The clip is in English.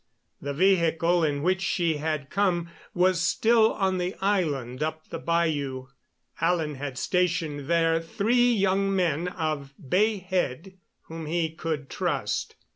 The vehicle in which she had come was still on the island up the bayou. Alan had stationed there three young men of Bay Head whom he could trust.